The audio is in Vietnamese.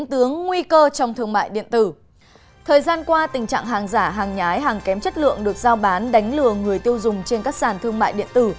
thời gian qua tình trạng hàng giả hàng nhái hàng kém chất lượng được giao bán đánh lừa người tiêu dùng trên các sàn thương mại điện tử